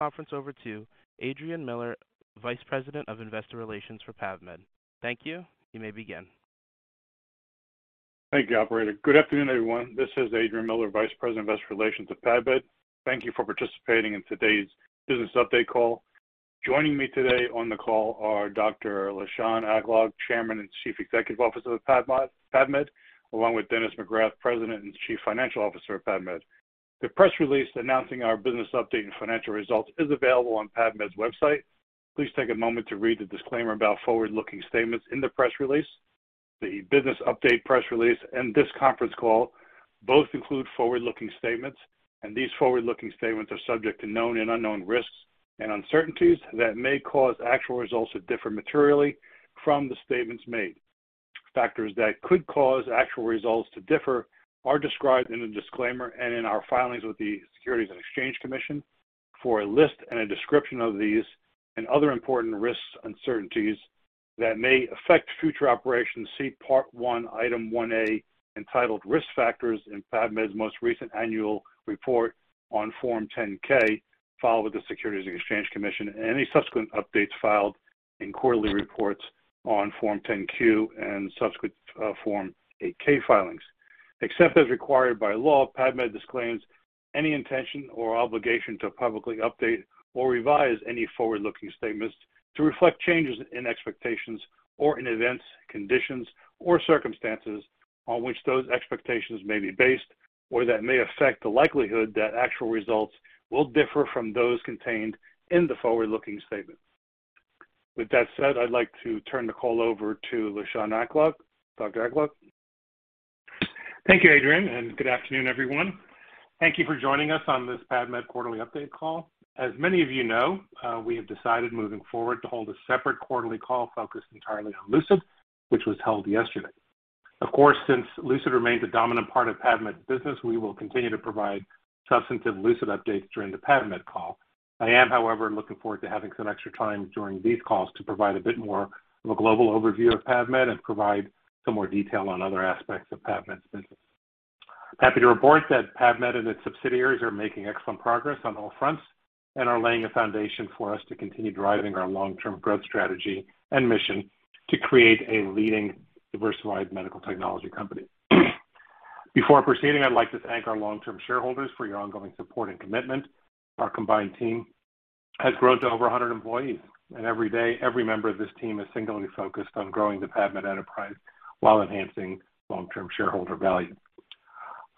Conference over to Adrian Miller, Vice President of Investor Relations for PAVmed. Thank you. You may begin. Thank you, operator. Good afternoon, everyone. This is Adrian Miller, Vice President, Investor Relations at PAVmed. Thank you for participating in today's business update call. Joining me today on the call are Dr. Lishan Aklog, Chairman and Chief Executive Officer of PAVmed, along with Dennis McGrath, President and Chief Financial Officer of PAVmed. The press release announcing our business update and financial results is available on PAVmed's website. Please take a moment to read the disclaimer about forward-looking statements in the press release. The business update press release and this conference call both include forward-looking statements, and these forward-looking statements are subject to known and unknown risks and uncertainties that may cause actual results to differ materially from the statements made. Factors that could cause actual results to differ are described in the disclaimer and in our filings with the Securities and Exchange Commission. For a list and a description of these and other important risks, uncertainties that may affect future operations, see Part I, Item 1A, entitled Risk Factors in PAVmed's most recent annual report on Form 10-K, filed with the Securities and Exchange Commission, and any subsequent updates filed in quarterly reports on Form 10-Q and subsequent Form 8-K filings. Except as required by law, PAVmed disclaims any intention or obligation to publicly update or revise any forward-looking statements to reflect changes in expectations or in events, conditions, or circumstances on which those expectations may be based or that may affect the likelihood that actual results will differ from those contained in the forward-looking statement. With that said, I'd like to turn the call over to Dr. Lishan Aklog. Thank you, Adrian, and good afternoon, everyone. Thank you for joining us on this PAVmed quarterly update call. As many of you know, we have decided moving forward to hold a separate quarterly call focused entirely on Lucid, which was held yesterday. Of course, since Lucid remains a dominant part of PAVmed's business, we will continue to provide substantive Lucid updates during the PAVmed call. I am, however, looking forward to having some extra time during these calls to provide a bit more of a global overview of PAVmed and provide some more detail on other aspects of PAVmed's business. Happy to report that PAVmed and its subsidiaries are making excellent progress on all fronts and are laying a foundation for us to continue driving our long-term growth strategy and mission to create a leading diversified medical technology company. Before proceeding, I'd like to thank our long-term shareholders for your ongoing support and commitment. Our combined team has grown to over 100 employees, and every day, every member of this team is singularly focused on growing the PAVmed enterprise while enhancing long-term shareholder value.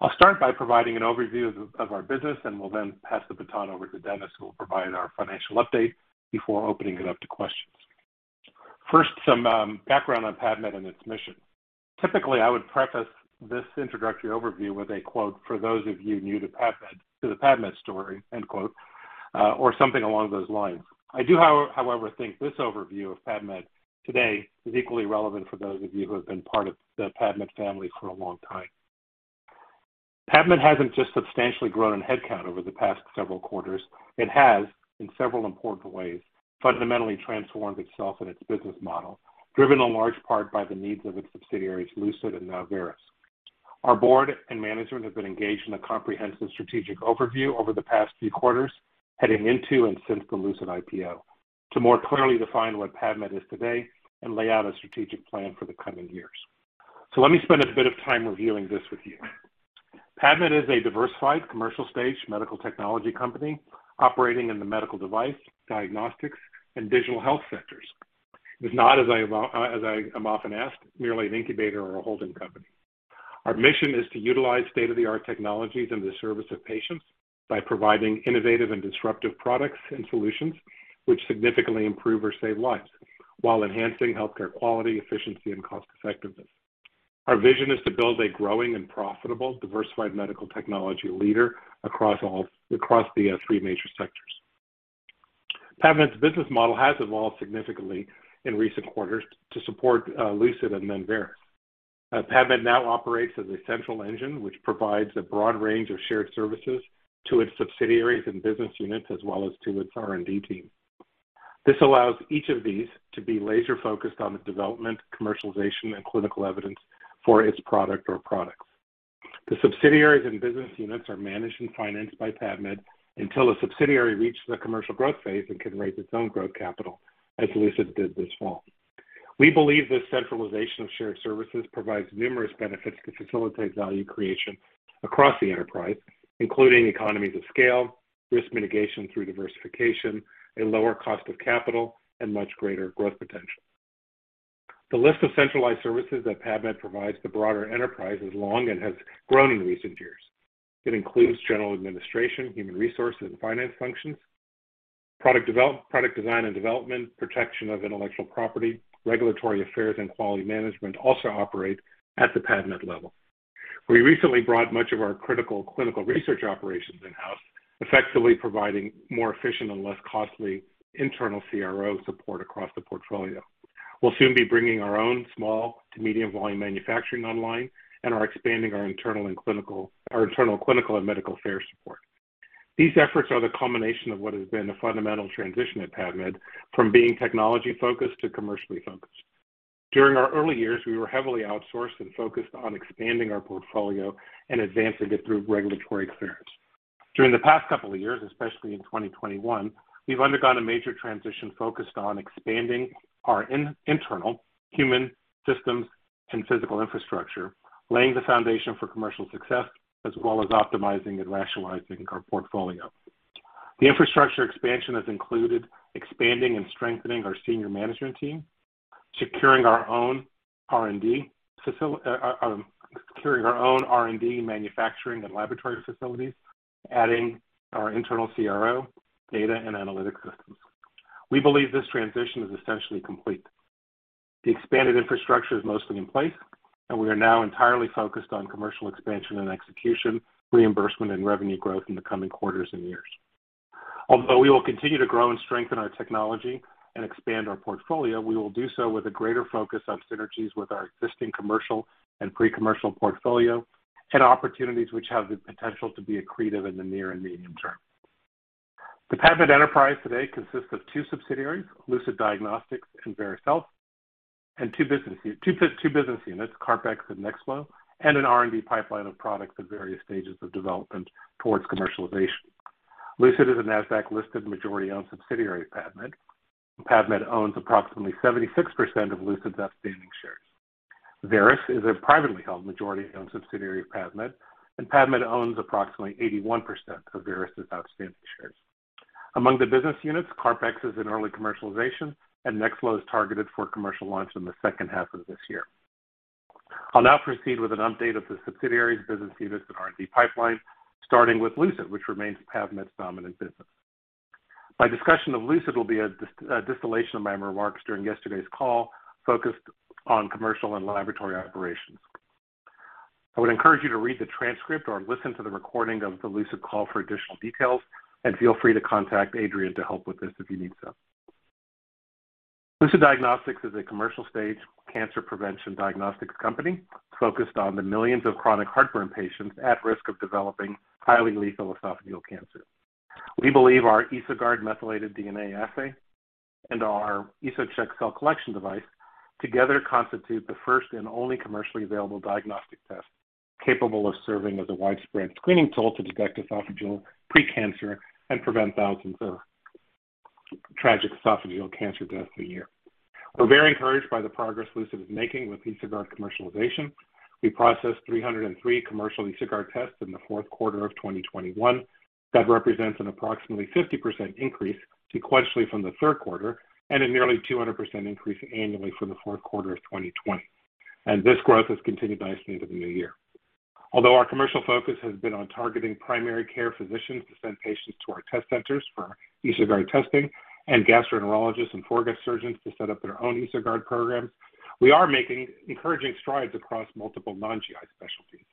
I'll start by providing an overview of our business, and we'll then pass the baton over to Dennis, who will provide our financial update before opening it up to questions. First, some background on PAVmed and its mission. Typically, I would preface this introductory overview with a quote, "For those of you new to PAVmed, to the PAVmed story," end quote, or something along those lines. I do, however, think this overview of PAVmed today is equally relevant for those of you who have been part of the PAVmed family for a long time. PAVmed hasn't just substantially grown in headcount over the past several quarters. It has, in several important ways, fundamentally transformed itself and its business model, driven in large part by the needs of its subsidiaries, Lucid and now Veris. Our board and management have been engaged in a comprehensive strategic overview over the past few quarters, heading into and since the Lucid IPO, to more clearly define what PAVmed is today and lay out a strategic plan for the coming years. Let me spend a bit of time reviewing this with you. PAVmed is a diversified commercial-stage medical technology company operating in the medical device, diagnostics, and digital health sectors. It's not, as I am often asked, merely an incubator or a holding company. Our mission is to utilize state-of-the-art technologies in the service of patients by providing innovative and disruptive products and solutions which significantly improve or save lives while enhancing healthcare quality, efficiency, and cost-effectiveness. Our vision is to build a growing and profitable diversified medical technology leader across the three major sectors. PAVmed's business model has evolved significantly in recent quarters to support Lucid and then Veris. PAVmed now operates as a central engine which provides a broad range of shared services to its subsidiaries and business units, as well as to its R&D team. This allows each of these to be laser-focused on the development, commercialization, and clinical evidence for its product or products. The subsidiaries and business units are managed and financed by PAVmed until a subsidiary reaches the commercial growth phase and can raise its own growth capital, as Lucid did this fall. We believe this centralization of shared services provides numerous benefits to facilitate value creation across the enterprise, including economies of scale, risk mitigation through diversification, a lower cost of capital, and much greater growth potential. The list of centralized services that PAVmed provides the broader enterprise is long and has grown in recent years. It includes general administration, human resources, and finance functions. Product design and development, protection of intellectual property, regulatory affairs, and quality management also operate at the PAVmed level. We recently brought much of our critical clinical research operations in-house, effectively providing more efficient and less costly internal CRO support across the portfolio. We'll soon be bringing our own small to medium volume manufacturing online and are expanding our internal clinical and medical care support. These efforts are the culmination of what has been a fundamental transition at PAVmed from being technology-focused to commercially focused. During our early years, we were heavily outsourced and focused on expanding our portfolio and advancing it through regulatory clearance. During the past couple of years, especially in 2021, we've undergone a major transition focused on expanding our internal human systems and physical infrastructure, laying the foundation for commercial success as well as optimizing and rationalizing our portfolio. The infrastructure expansion has included expanding and strengthening our senior management team, securing our own R&D manufacturing and laboratory facilities, adding our internal CRO data and analytic systems. We believe this transition is essentially complete. The expanded infrastructure is mostly in place, and we are now entirely focused on commercial expansion and execution, reimbursement, and revenue growth in the coming quarters and years. Although we will continue to grow and strengthen our technology and expand our portfolio, we will do so with a greater focus on synergies with our existing commercial and pre-commercial portfolio and opportunities which have the potential to be accretive in the near and medium term. The PAVmed enterprise today consists of two subsidiaries, Lucid Diagnostics and Veris Health, and two business units, CarpX and NextFlo, and an R&D pipeline of products at various stages of development towards commercialization. Lucid is a Nasdaq-listed majority-owned subsidiary of PAVmed. PAVmed owns approximately 76% of Lucid's outstanding shares. Veris is a privately held majority-owned subsidiary of PAVmed, and PAVmed owns approximately 81% of Veris' outstanding shares. Among the business units, CarpX is in early commercialization, and NextFlo is targeted for commercial launch in the second half of this year. I'll now proceed with an update of the subsidiaries, business units, and R&D pipeline, starting with Lucid, which remains PAVmed's dominant business. My discussion of Lucid will be a distillation of my remarks during yesterday's call, focused on commercial and laboratory operations. I would encourage you to read the transcript or listen to the recording of the Lucid call for additional details, and feel free to contact Adrian to help with this if you need to. Lucid Diagnostics is a commercial-stage cancer prevention diagnostics company focused on the millions of chronic heartburn patients at risk of developing highly lethal esophageal cancer. We believe our EsoGuard methylated DNA assay and our EsoCheck cell collection device together constitute the first and only commercially available diagnostic test capable of serving as a widespread screening tool to detect esophageal pre-cancer and prevent thousands of tragic esophageal cancer deaths a year. We're very encouraged by the progress Lucid is making with EsoGuard commercialization. We processed 303 commercial EsoGuard tests in the fourth quarter of 2021. That represents an approximately 50% increase sequentially from the third quarter and a nearly 200% increase annually from the fourth quarter of 2020. This growth has continued nicely into the new year. Although our commercial focus has been on targeting primary care physicians to send patients to our test centers for EsoGuard testing and gastroenterologists and foregut surgeons to set up their own EsoGuard programs, we are making encouraging strides across multiple non-GI specialties.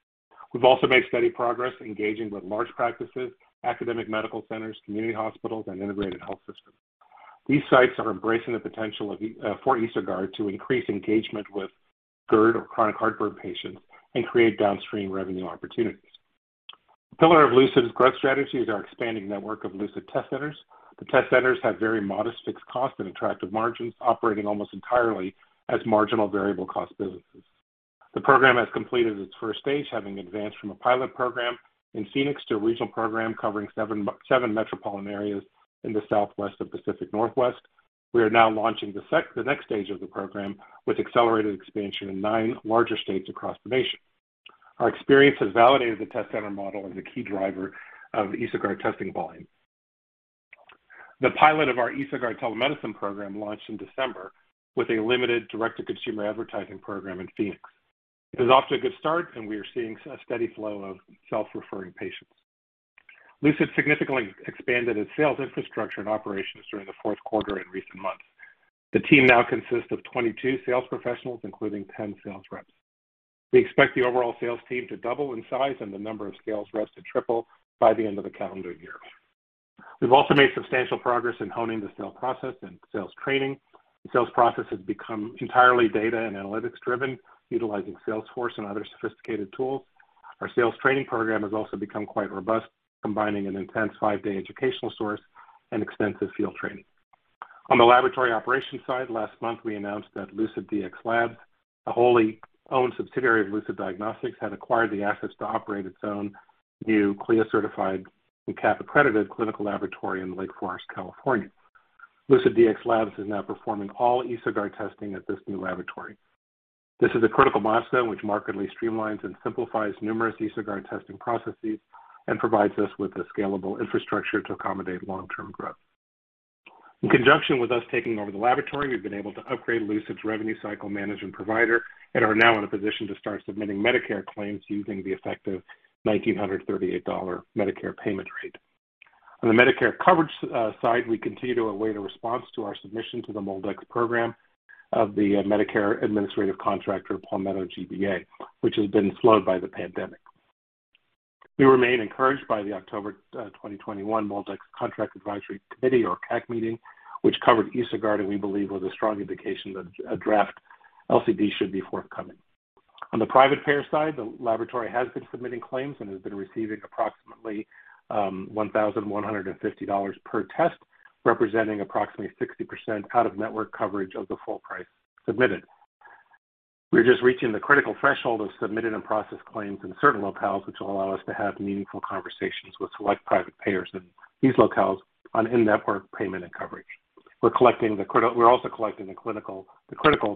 We've also made steady progress engaging with large practices, academic medical centers, community hospitals, and integrated health systems. These sites are embracing the potential of EsoGuard to increase engagement with GERD or chronic heartburn patients and create downstream revenue opportunities. A pillar of Lucid's growth strategy is our expanding network of Lucid test centers. The test centers have very modest fixed costs and attractive margins, operating almost entirely as marginal variable cost businesses. The program has completed its first phase, having advanced from a pilot program in Phoenix to a regional program covering seven metropolitan areas in the Southwest and Pacific Northwest. We are now launching the next stage of the program with accelerated expansion in nine larger states across the nation. Our experience has validated the test center model as a key driver of EsoGuard testing volume. The pilot of our EsoGuard telemedicine program launched in December with a limited direct-to-consumer advertising program in Phoenix. It is off to a good start, and we are seeing a steady flow of self-referring patients. Lucid significantly expanded its sales infrastructure and operations during the fourth quarter in recent months. The team now consists of 22 sales professionals, including 10 sales reps. We expect the overall sales team to double in size and the number of sales reps to triple by the end of the calendar year. We've also made substantial progress in honing the sales process and sales training. The sales process has become entirely data and analytics-driven, utilizing Salesforce and other sophisticated tools. Our sales training program has also become quite robust, combining an intense five-day educational course and extensive field training. On the laboratory operations side, last month, we announced that LucidDx Labs, a wholly-owned subsidiary of Lucid Diagnostics, had acquired the assets to operate its own new CLIA-certified and CAP-accredited clinical laboratory in Lake Forest, California. LucidDx Labs is now performing all EsoGuard testing at this new laboratory. This is a critical milestone which markedly streamlines and simplifies numerous EsoGuard testing processes and provides us with the scalable infrastructure to accommodate long-term growth. In conjunction with us taking over the laboratory, we've been able to upgrade Lucid's revenue cycle management provider and are now in a position to start submitting Medicare claims using the effective $1,938 Medicare payment rate. On the Medicare coverage side, we continue to await a response to our submission to the MolDX program of the Medicare administrative contractor, Palmetto GBA, which has been slowed by the pandemic. We remain encouraged by the October 2021 MolDX Contract Advisory Committee or CAC meeting, which covered EsoGuard and we believe was a strong indication that a draft LCD should be forthcoming. On the private payer side, the laboratory has been submitting claims and has been receiving approximately $1,150 per test, representing approximately 60% out-of-network coverage of the full price submitted. We're just reaching the critical threshold of submitted and processed claims in certain locales, which will allow us to have meaningful conversations with select private payers in these locales on in-network payment and coverage. We're also collecting the critical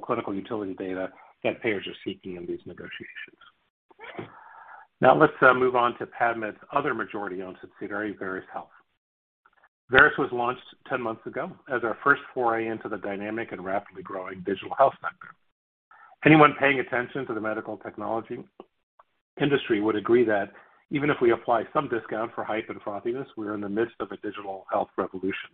clinical utility data that payers are seeking in these negotiations. Now let's move on to PAVmed's other majority-owned subsidiary, Veris Health. Veris was launched 10 months ago as our first foray into the dynamic and rapidly growing digital health sector. Anyone paying attention to the medical technology industry would agree that even if we apply some discount for hype and frothiness, we are in the midst of a digital health revolution.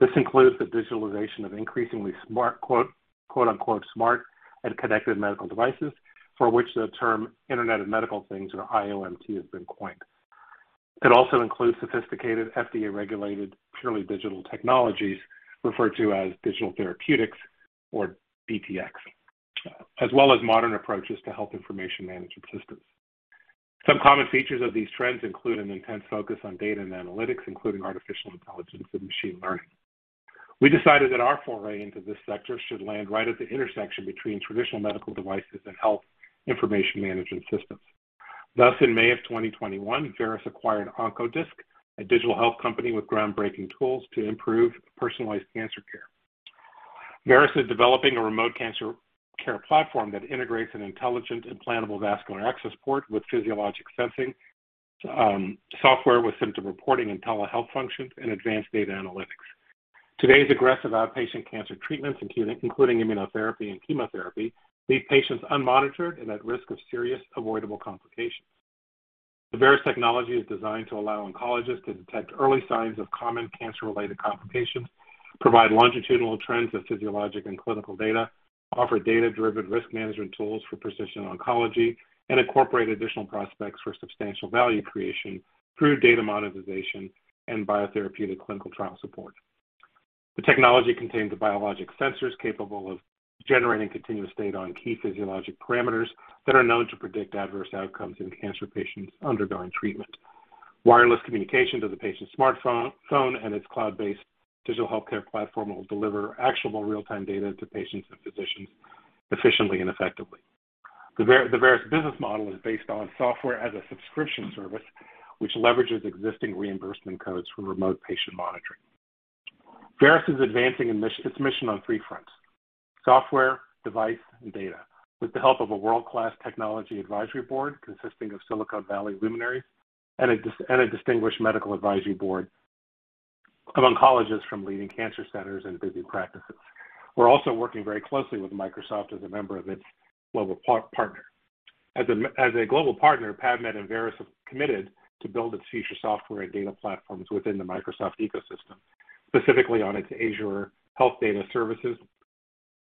This includes the digitalization of increasingly smart, quote-unquote, smart and connected medical devices, for which the term Internet of Medical Things, or IoMT, has been coined. It also includes sophisticated, FDA-regulated, purely digital technologies referred to as digital therapeutics or DTx, as well as modern approaches to health information management systems. Some common features of these trends include an intense focus on data and analytics, including artificial intelligence and machine learning. We decided that our foray into this sector should land right at the intersection between traditional medical devices and health information management systems. Thus, in May 2021, Veris acquired Oncodisc, a digital health company with groundbreaking tools to improve personalized cancer care. Veris is developing a remote cancer care platform that integrates an intelligent implantable vascular access port with physiologic sensing, software with symptom reporting and telehealth functions, and advanced data analytics. Today's aggressive outpatient cancer treatments, including immunotherapy and chemotherapy, leave patients unmonitored and at risk of serious avoidable complications. The Veris technology is designed to allow oncologists to detect early signs of common cancer-related complications, provide longitudinal trends of physiologic and clinical data, offer data-driven risk management tools for precision oncology, and incorporate additional prospects for substantial value creation through data monetization and biotherapeutic clinical trial support. The technology contains biologic sensors capable of generating continuous data on key physiologic parameters that are known to predict adverse outcomes in cancer patients undergoing treatment. Wireless communication to the patient's smartphone, phone, and its cloud-based digital healthcare platform will deliver actionable real-time data to patients and physicians efficiently and effectively. The Veris business model is based on software as a subscription service, which leverages existing reimbursement codes for remote patient monitoring. Veris is advancing in its mission on three fronts: software, device, and data, with the help of a world-class technology advisory board consisting of Silicon Valley luminaries and a distinguished medical advisory board of oncologists from leading cancer centers and busy practices. We're also working very closely with Microsoft as a member of its global partner. As a global partner, PAVmed and Veris have committed to build its future software and data platforms within the Microsoft ecosystem, specifically on its Azure Health Data Services,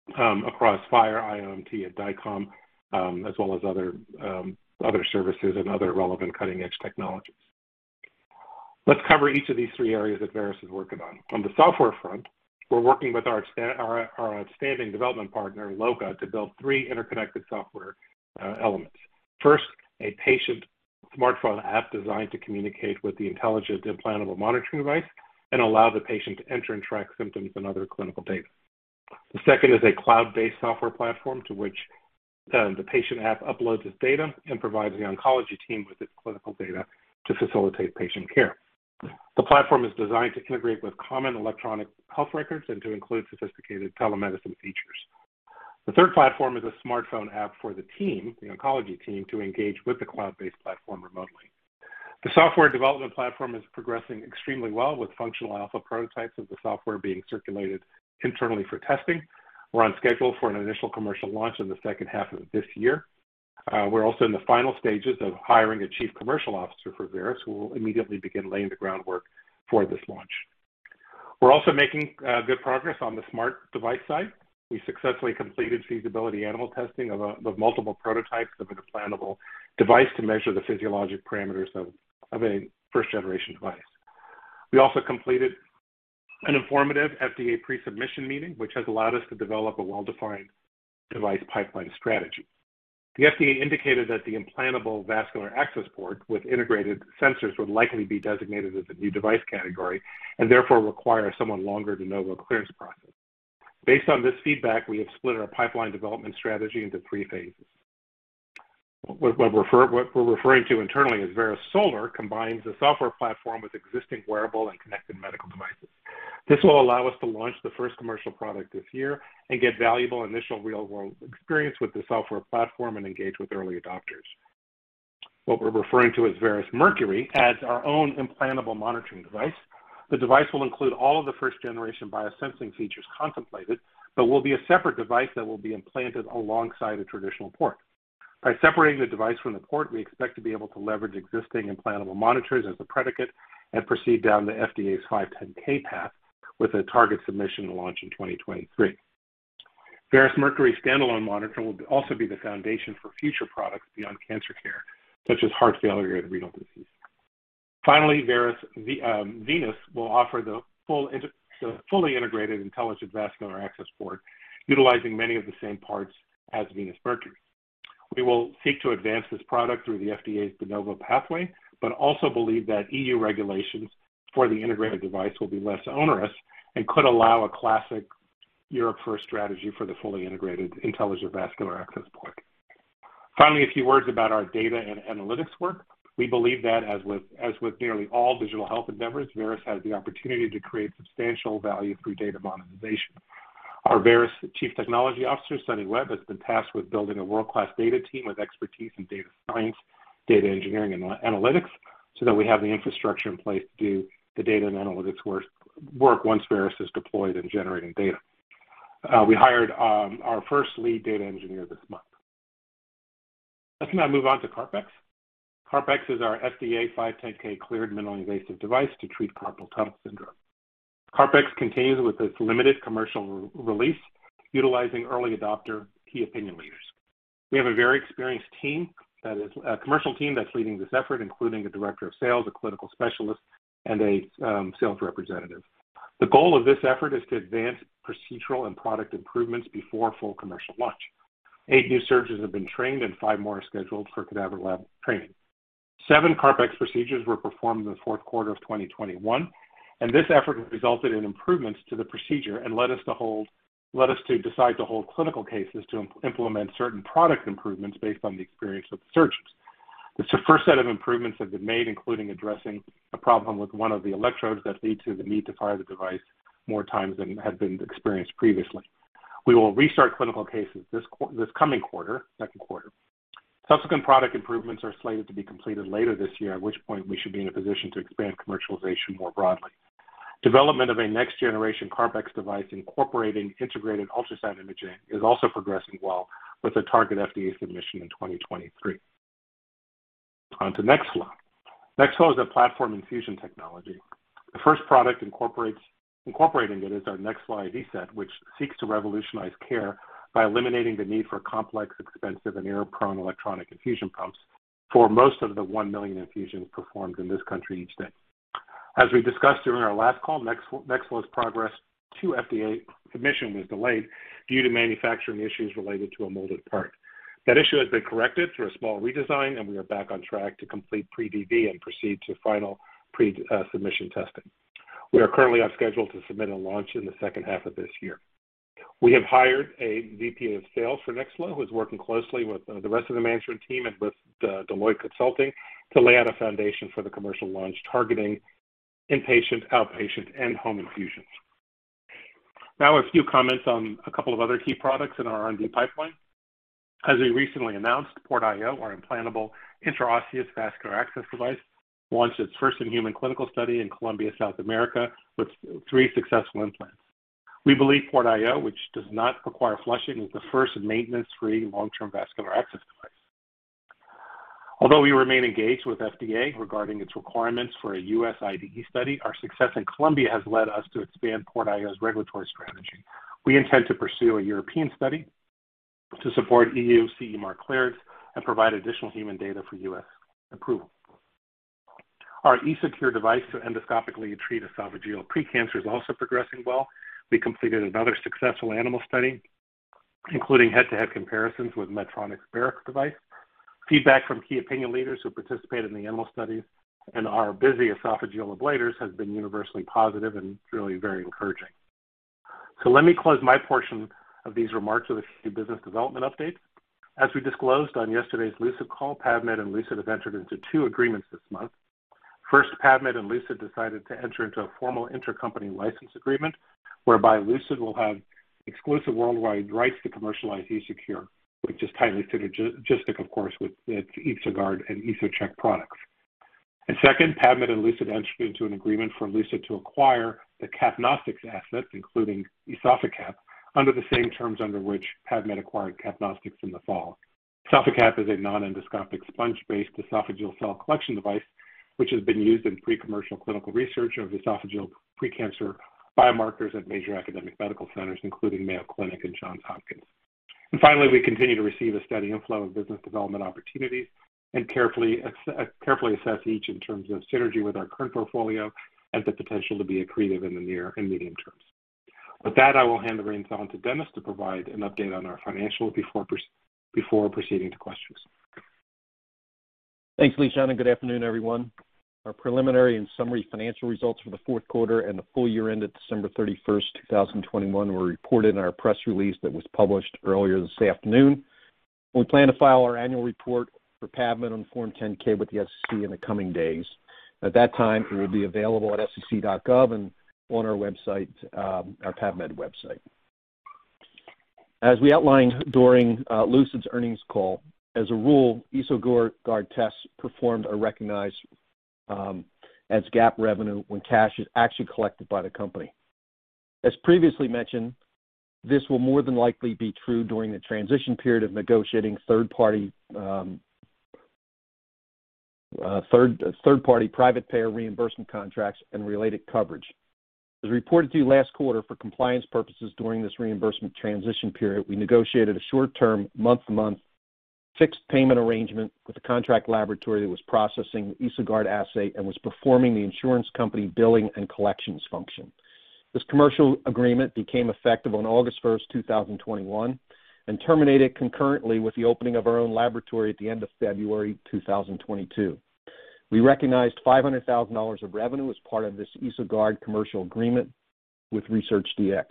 across FHIR, IoMT, and DICOM, as well as other services and other relevant cutting-edge technologies. Let's cover each of these three areas that Veris is working on. On the software front, we're working with our outstanding development partner, Loka, to build three interconnected software elements. First, a patient smartphone app designed to communicate with the intelligent implantable monitoring device and allow the patient to enter and track symptoms and other clinical data. The second is a cloud-based software platform to which the patient app uploads its data and provides the oncology team with its clinical data to facilitate patient care. The platform is designed to integrate with common electronic health records and to include sophisticated telemedicine features. The third platform is a smartphone app for the team, the oncology team, to engage with the cloud-based platform remotely. The software development platform is progressing extremely well, with functional alpha prototypes of the software being circulated internally for testing. We're on schedule for an initial commercial launch in the second half of this year. We're also in the final stages of hiring a Chief Commercial Officer for Veris, who will immediately begin laying the groundwork for this launch. We're also making good progress on the smart device side. We successfully completed feasibility animal testing of multiple prototypes of an implantable device to measure the physiologic parameters of a first-generation device. We also completed an informative FDA pre-submission meeting, which has allowed us to develop a well-defined device pipeline strategy. The FDA indicated that the implantable vascular access port with integrated sensors would likely be designated as a new device category and therefore require a somewhat longer De Novo clearance process. Based on this feedback, we have split our pipeline development strategy into three phases. What we're referring to internally as Veris Solar combines the software platform with existing wearable and connected medical devices. This will allow us to launch the first commercial product this year and get valuable initial real-world experience with the software platform and engage with early adopters. What we're referring to as Veris Mercury adds our own implantable monitoring device. The device will include all of the first-generation biosensing features contemplated, but will be a separate device that will be implanted alongside a traditional port. By separating the device from the port, we expect to be able to leverage existing implantable monitors as the predicate and proceed down the FDA's 510(k) path with a target submission launch in 2023. Veris Mercury standalone monitor will also be the foundation for future products beyond cancer care, such as heart failure and renal disease. Finally, Veris Venus will offer the fully integrated intelligent vascular access port utilizing many of the same parts as Veris Mercury. We will seek to advance this product through the FDA's de novo pathway, but also believe that EU regulations for the integrated device will be less onerous and could allow a classic Europe-first strategy for the fully integrated intelligent vascular access port. Finally, a few words about our data and analytics work. We believe that, as with nearly all digital health endeavors, Veris has the opportunity to create substantial value through data monetization. Our Veris Chief Technology Officer, Sunny Webb, has been tasked with building a world-class data team with expertise in data science, data engineering, and analytics so that we have the infrastructure in place to do the data and analytics work once Veris is deployed and generating data. We hired our first lead data engineer this month. Let's now move on to CarpX. CarpX is our FDA 510(k) cleared minimally invasive device to treat carpal tunnel syndrome. CarpX continues with its limited commercial release utilizing early adopter key opinion leaders. We have a very experienced team that is a commercial team that's leading this effort, including a director of sales, a clinical specialist, and a sales representative. The goal of this effort is to advance procedural and product improvements before full commercial launch. Eight new surgeons have been trained, and five more are scheduled for cadaver lab training. Seven CarpX procedures were performed in the fourth quarter of 2021, and this effort has resulted in improvements to the procedure and led us to decide to hold clinical cases to implement certain product improvements based on the experience of the surgeons. This first set of improvements have been made, including addressing a problem with one of the electrodes that lead to the need to fire the device more times than had been experienced previously. We will restart clinical cases this coming quarter, second quarter. Subsequent product improvements are slated to be completed later this year, at which point we should be in a position to expand commercialization more broadly. Development of a next-generation CarpX device incorporating integrated ultrasound imaging is also progressing well with a target FDA submission in 2023. On to NextFlo. NextFlo is a platform infusion technology. The first product incorporating it is our NextFlo IV set, which seeks to revolutionize care by eliminating the need for complex, expensive, and error-prone electronic infusion pumps for most of the 1 million infusions performed in this country each day. As we discussed during our last call, NextFlo's progress to FDA submission was delayed due to manufacturing issues related to a molded part. That issue has been corrected through a small redesign, and we are back on track to complete pre-BD and proceed to final pre-submission testing. We are currently on schedule to submit and launch in the second half of this year. We have hired a VP of sales for NextFlo, who is working closely with the rest of the management team and with Deloitte Consulting to lay out a foundation for the commercial launch targeting inpatient, outpatient, and home infusions. Now a few comments on a couple of other key products in our R&D pipeline. As we recently announced, PortIO, our implantable intraosseous vascular access device, launched its first-in-human clinical study in Colombia, South America, with three successful implants. We believe PortIO, which does not require flushing, is the first maintenance-free long-term vascular access device. Although we remain engaged with FDA regarding its requirements for a U.S. IDE study, our success in Colombia has led us to expand PortIO's regulatory strategy. We intend to pursue a European study to support EU CE Mark clearance and provide additional human data for U.S. approval. Our EsoCure device to endoscopically treat esophageal pre-cancer is also progressing well. We completed another successful animal study, including head-to-head comparisons with Medtronic's Barrx device. Feedback from key opinion leaders who participated in the animal studies and our busy esophageal ablaters has been universally positive and really very encouraging. Let me close my portion of these remarks with a few business development updates. As we disclosed on yesterday's Lucid call, PAVmed and Lucid have entered into two agreements this month. First, PAVmed and Lucid decided to enter into a formal intercompany license agreement whereby Lucid will have exclusive worldwide rights to commercialize EsoCure, which is highly synergistic, of course, with its EsoGuard and EsoCheck products. Second, PAVmed and Lucid entered into an agreement for Lucid to acquire the CapNostics asset, including EsophaCap, under the same terms under which PAVmed acquired CapNostics in the fall. EsophaCap is a non-endoscopic sponge-based esophageal cell collection device, which has been used in pre-commercial clinical research of esophageal pre-cancer biomarkers at major academic medical centers, including Mayo Clinic and Johns Hopkins. Finally, we continue to receive a steady inflow of business development opportunities and carefully assess each in terms of synergy with our current portfolio and the potential to be accretive in the near and medium terms. With that, I will hand the reins on to Dennis to provide an update on our financials before proceeding to questions. Thanks, Lishan, and good afternoon, everyone. Our preliminary and summary financial results for the fourth quarter and the full year ended December 31, 2021 were reported in our press release that was published earlier this afternoon. We plan to file our annual report for PAVmed on Form 10-K with the SEC in the coming days. At that time, it will be available at sec.gov and on our website, our PAVmed website. As we outlined during Lucid's Earnings Call, as a rule, EsoGuard tests performed are recognized as GAAP revenue when cash is actually collected by the company. As previously mentioned, this will more than likely be true during the transition period of negotiating third-party private payer reimbursement contracts and related coverage. As reported to you last quarter for compliance purposes during this reimbursement transition period, we negotiated a short-term month-to-month fixed payment arrangement with the contract laboratory that was processing the EsoGuard assay and was performing the insurance company billing and collections function. This commercial agreement became effective on August 1, 2021 and terminated concurrently with the opening of our own laboratory at the end of February 2022. We recognized $500,000 of revenue as part of this EsoGuard commercial agreement with ResearchDx.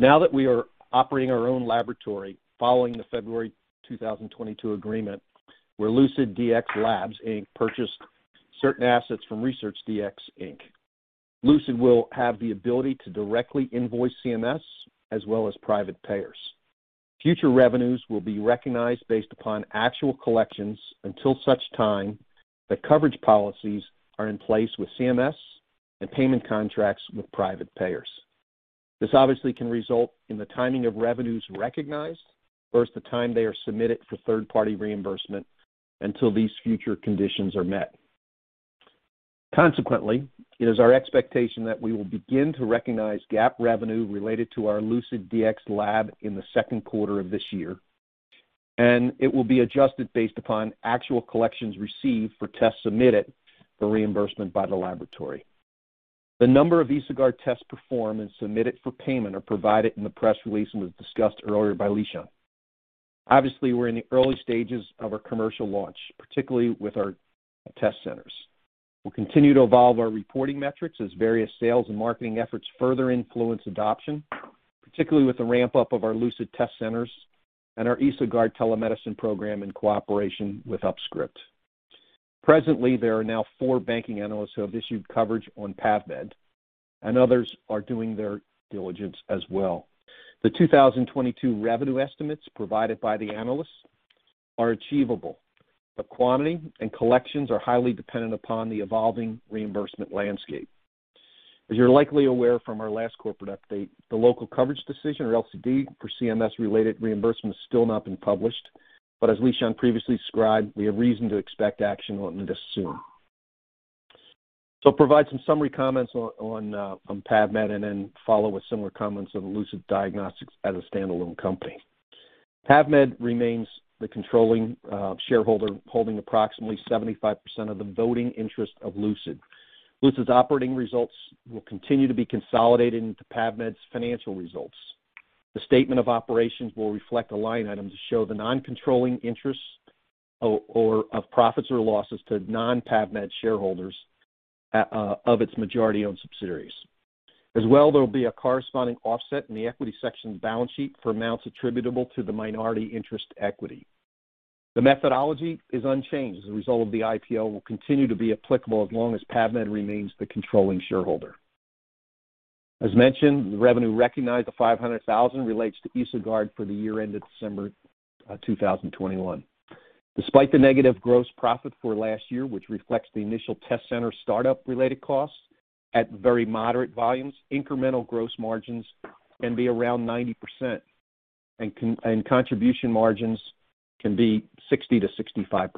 Now that we are operating our own laboratory following the February 2022 agreement where LucidDx Labs Inc. Purchased certain assets from ResearchDx, Inc., Lucid will have the ability to directly invoice CMS as well as private payers. Future revenues will be recognized based upon actual collections until such time that coverage policies are in place with CMS and payment contracts with private payers. This obviously can result in the timing of revenues recognized versus the time they are submitted for third-party reimbursement until these future conditions are met. Consequently, it is our expectation that we will begin to recognize GAAP revenue related to our LucidDx Labs in the second quarter of this year, and it will be adjusted based upon actual collections received for tests submitted for reimbursement by the laboratory. The number of EsoGuard tests performed and submitted for payment are provided in the press release and was discussed earlier by Lishan Aklog. Obviously, we're in the early stages of our commercial launch, particularly with our test centers. We'll continue to evolve our reporting metrics as various sales and marketing efforts further influence adoption, particularly with the ramp-up of our Lucid test centers and our EsoGuard telemedicine program in cooperation with UpScript. Presently, there are now four banking analysts who have issued coverage on PAVmed and others are doing their diligence as well. The 2022 revenue estimates provided by the analysts are achievable, but quantity and collections are highly dependent upon the evolving reimbursement landscape. As you're likely aware from our last corporate update, the local coverage decision or LCD for CMS-related reimbursement has still not been published. As Lishan previously described, we have reason to expect action on this soon. I'll provide some summary comments on PAVmed and then follow with similar comments of Lucid Diagnostics as a standalone company. PAVmed remains the controlling shareholder, holding approximately 75% of the voting interest of Lucid. Lucid's operating results will continue to be consolidated into PAVmed's financial results. The statement of operations will reflect a line item to show the non-controlling interest or of profits or losses to non-PAVmed shareholders of its majority-owned subsidiaries. As well, there will be a corresponding offset in the equity section of the balance sheet for amounts attributable to the minority interest equity. The methodology is unchanged as a result of the IPO will continue to be applicable as long as PAVmed remains the controlling shareholder. As mentioned, the revenue recognized the $500,000 relates to EsoGuard for the year ended December 2021. Despite the negative gross profit for last year, which reflects the initial test center startup related costs at very moderate volumes, incremental gross margins can be around 90% and contribution margins can be 60%-65%.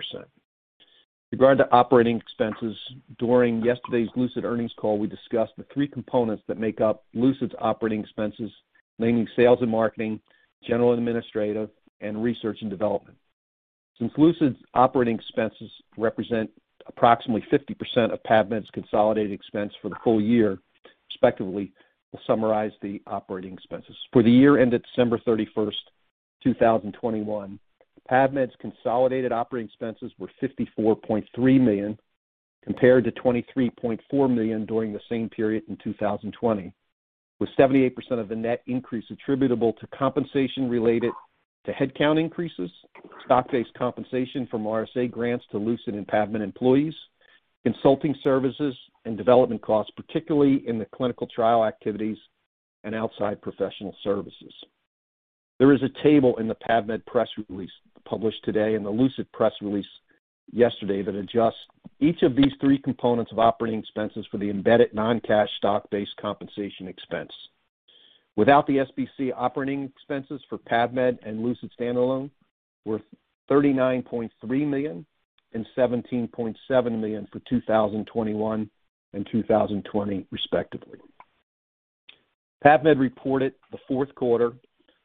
Regarding the operating expenses, during yesterday's Lucid earnings call, we discussed the three components that make up Lucid's operating expenses, namely, sales and marketing, general and administrative, and research and development. Since Lucid's operating expenses represent approximately 50% of PAVmed's consolidated expense for the full year, respectively, we'll summarize the operating expenses. For the year ended December 31, 2021, PAVmed's consolidated operating expenses were $54.3 million, compared to $23.4 million during the same period in 2020, with 78% of the net increase attributable to compensation related to headcount increases, stock-based compensation from RSA grants to Lucid and PAVmed employees, consulting services and development costs, particularly in the clinical trial activities and outside professional services. There is a table in the PAVmed press release published today and the Lucid press release yesterday that adjusts each of these three components of operating expenses for the embedded non-cash stock-based compensation expense. Without the SBC, operating expenses for PAVmed and Lucid standalone were $39.3 million and $17.7 million for 2021 and 2020 respectively. PAVmed reported the fourth quarter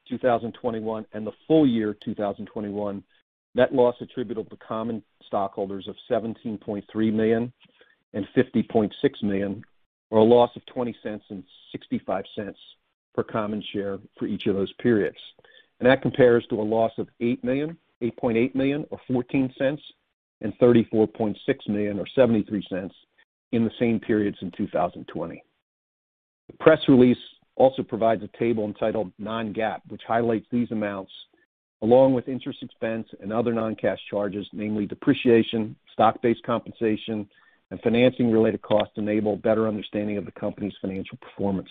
2021 and the full year 2021 net loss attributable to common stockholders of $17.3 million and $50.6 million, or a loss of $0.20 and $0.65 per common share for each of those periods. That compares to a loss of $8.8 million or $0.14 and $34.6 million or $0.73 in the same periods in 2020. The press release also provides a table entitled Non-GAAP, which highlights these amounts along with interest expense and other non-cash charges, namely depreciation, stock-based compensation, and financing-related costs to enable better understanding of the company's financial performance.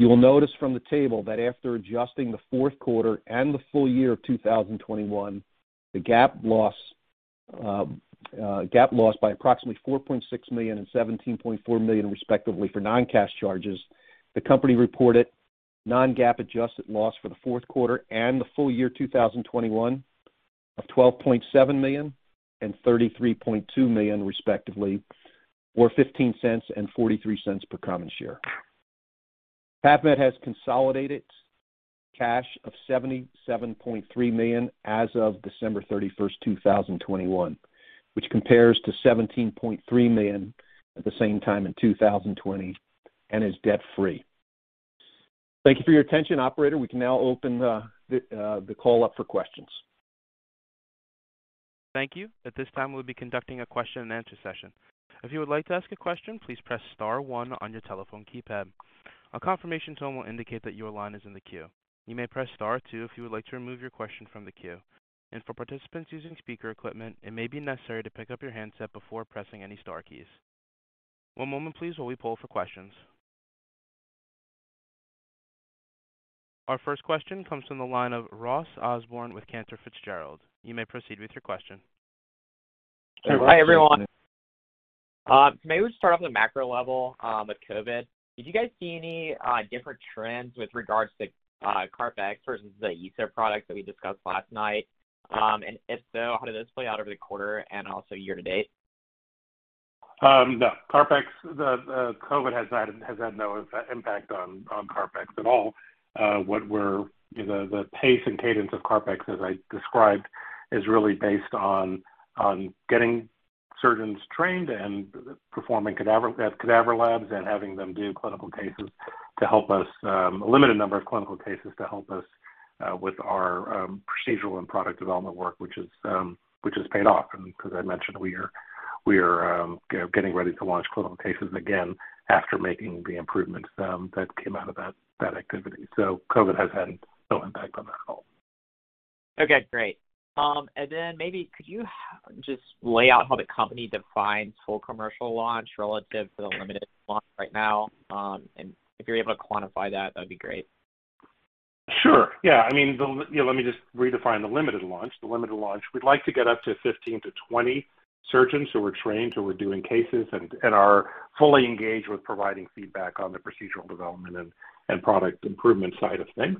You will notice from the table that after adjusting the fourth quarter and the full year of 2021, the GAAP loss by approximately $4.6 million and $17.4 million, respectively, for non-cash charges. The company reported non-GAAP adjusted loss for the fourth quarter and the full year 2021. Of $12.7 million and $33.2 million respectively, or $0.15 and $0.43 per common share. PAVmed has consolidated cash of $77.3 million as of December 31, 2021, which compares to $17.3 million at the same time in 2020, and is debt-free. Thank you for your attention. Operator, we can now open the call up for questions. Thank you. At this time, we'll be conducting a question-and-answer session. If you would like to ask a question, please press star one on your telephone keypad. A confirmation tone will indicate that your line is in the queue. You may press star two if you would like to remove your question from the queue. For participants using speaker equipment, it may be necessary to pick up your handset before pressing any star keys. One moment please, while we poll for questions. Our first question comes from the line of Ross Osborn with Cantor Fitzgerald. You may proceed with your question. Hey, Ross. Hi, everyone. Maybe we start off at a macro level with COVID. Did you guys see any different trends with regards to CarpX versus the other product that we discussed last night? If so, how did this play out over the quarter and also year-to-date? The CarpX. COVID has had no impact on CarpX at all. You know, the pace and cadence of CarpX, as I described, is really based on getting surgeons trained and performing at cadaver labs and having them do clinical cases to help us, a limited number of clinical cases to help us with our procedural and product development work, which has paid off. As I mentioned, we are getting ready to launch clinical cases again after making the improvements that came out of that activity. COVID has had no impact on that at all. Okay, great. Maybe you could just lay out how the company defines full commercial launch relative to the limited launch right now? If you're able to quantify that'd be great. Sure. Yeah. I mean, you know, let me just redefine the limited launch. The limited launch, we'd like to get up to 15-20 surgeons who are trained, who are doing cases and are fully engaged with providing feedback on the procedural development and product improvement side of things.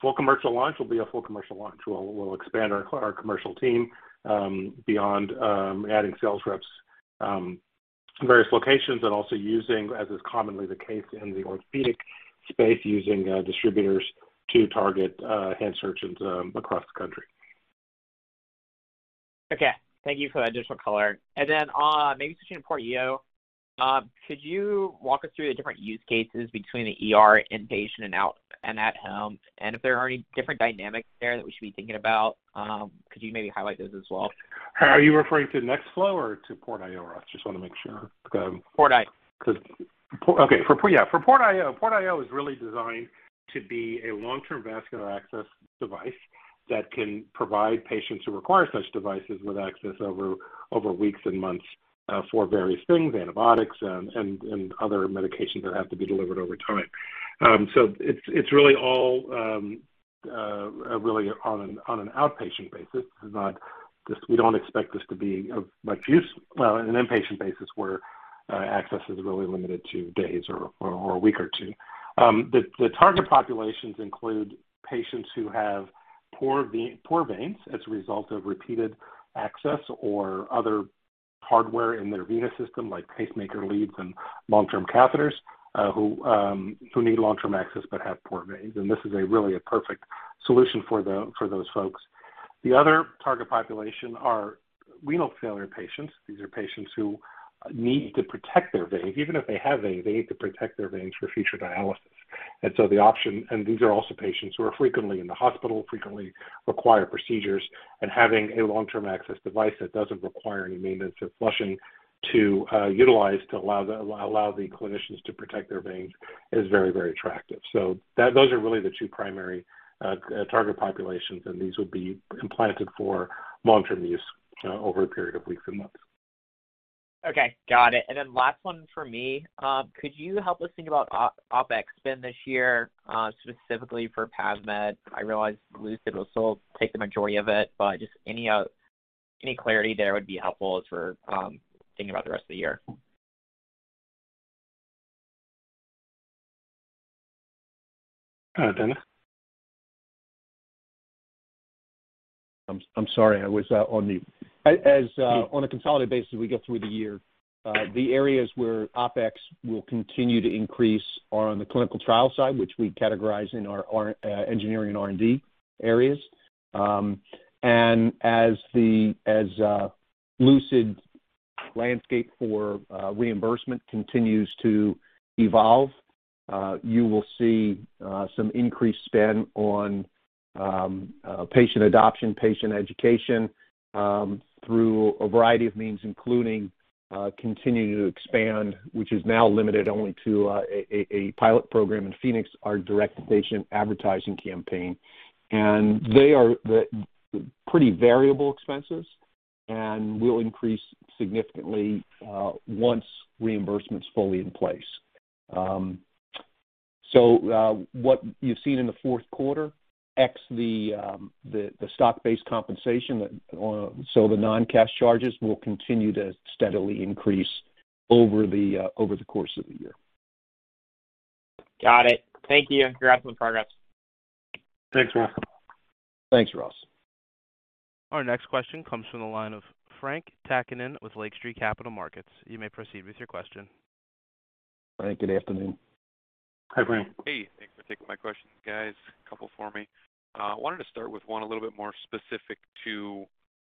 Full commercial launch will be a full commercial launch. We'll expand our commercial team beyond adding sales reps in various locations, and also using, as is commonly the case in the orthopedic space, using distributors to target hand surgeons across the country. Okay. Thank you for that additional color. Maybe switching to PortIO. Could you walk us through the different use cases between the ER, inpatient, and outpatient and at home, and if there are any different dynamics there that we should be thinking about? Could you maybe highlight those as well? Are you referring to NextFlo or to PortIO, Ross? Just wanna make sure. PortIO. For PortIO is really designed to be a long-term vascular access device that can provide patients who require such devices with access over weeks and months for various things, antibiotics and other medications that have to be delivered over time. So it's really all really on an outpatient basis. This is not just. We don't expect this to be of much use in an inpatient basis where access is really limited to days or a week or two. The target populations include patients who have poor veins as a result of repeated access or other hardware in their venous system, like pacemaker leads and long-term catheters, who need long-term access but have poor veins. This is a really perfect solution for those folks. The other target population are renal failure patients. These are patients who need to protect their veins. Even if they have veins, they need to protect their veins for future dialysis. These are also patients who are frequently in the hospital, frequently require procedures, and having a long-term access device that doesn't require any maintenance or flushing to utilize to allow the clinicians to protect their veins is very, very attractive. Those are really the two primary target populations, and these would be implanted for long-term use over a period of weeks and months. Okay, got it. Then last one for me. Could you help us think about OpEx spend this year, specifically for PAVmed? I realize Lucid will still take the majority of it, but just any clarity there would be helpful as we're thinking about the rest of the year. Dana? I'm sorry. On a consolidated basis as we get through the year, the areas where OpEx will continue to increase are on the clinical trial side, which we categorize in our engineering and R&D areas. As the Lucid landscape for reimbursement continues to evolve, you will see some increased spend on patient adoption, patient education through a variety of means, including continuing to expand, which is now limited only to a pilot program in Phoenix, our direct patient advertising campaign. They're pretty variable expenses and will increase significantly once reimbursement's fully in place. What you've seen in the fourth quarter ex the stock-based compensation, the non-cash charges will continue to steadily increase over the course of the year. Got it. Thank you. Congrats on the progress. Thanks, Ross. Thanks, Ross. Our next question comes from the line of Frank Takkinen with Lake Street Capital Markets. You may proceed with your question. Frank, good afternoon. Hi, Frank. Hey, thanks for taking my questions, guys. A couple for me. I wanted to start with one a little bit more specific to